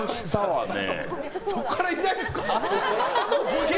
そこからいないんですか？